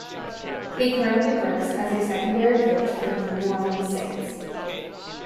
He currently works as a secondary coach for the New Orleans Saints.